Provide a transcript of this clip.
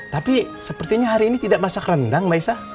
tapi sepertinya hari ini tidak masak rendang maisa